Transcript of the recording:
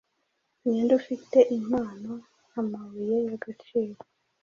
Ninde ufite impano-amabuye yagaciro